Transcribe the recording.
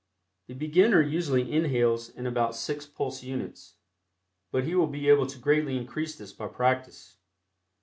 The beginner usually inhales in about six pulse units, but he will be able to greatly increase this by practice.